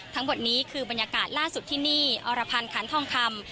ทั้งหมดนี้คือบรรยากาศล่าสุดที่นี่อรพันธ์ขันทองคำ